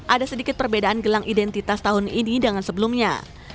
ada sedikit perbedaan gelang identitas tahun ini dengan sebelumnya